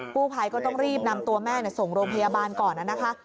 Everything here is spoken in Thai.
ผู้ภัยก็ต้องรีบนำตัวแม่ส่งโรงพยาบาลก่อนนะคะ